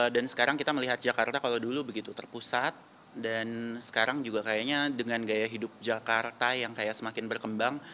dan sekarang kita melihat jakarta kalau dulu begitu terpusat dan sekarang juga kayaknya dengan gaya hidup jakarta yang kayak semakin berkembang